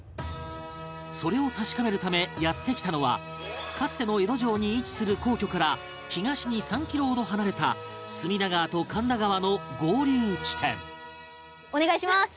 それを確かめるためやって来たのはかつての江戸城に位置する皇居から東に３キロほど離れた隅田川と神田川の合流地点